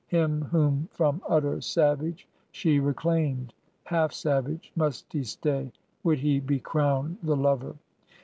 Him whom from utter savage she reclaimed, Half savage must he stay, would he be crowned The lover.